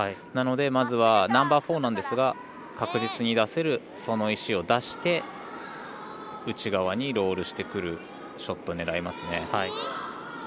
なので、まずはナンバーフォーなんですが確実に出せるその石を出して内側にロールしてくるショットを狙いますね。